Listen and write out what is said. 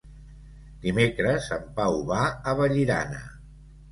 Dimecres en Pau va a Vallirana.